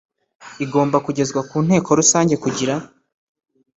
igomba kugezwa ku inteko rusange kugira